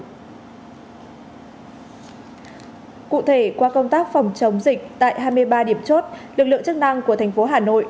cụ thể qua công tác phòng chống dịch tại hai mươi ba điểm chốt lực lượng chức năng của thành phố hà nội